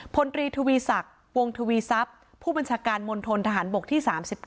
พลตรีทวีศักดิ์วงทวีทรัพย์ผู้บัญชาการมณฑนทหารบกที่๓๘